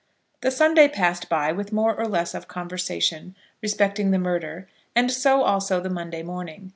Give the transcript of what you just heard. The Sunday passed by, with more or less of conversation respecting the murder; and so also the Monday morning.